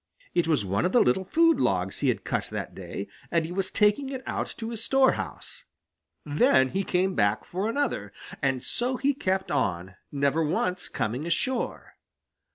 It was one of the little food logs he had cut that day, and he was taking it out to his storehouse. Then back he came for another. And so he kept on, never once coming ashore.